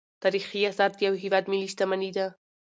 تاریخي اثار د یو هیواد ملي شتمني ده.